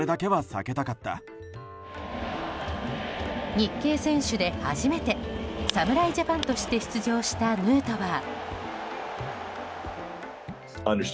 日系選手で初めて侍ジャパンとして出場したヌートバー。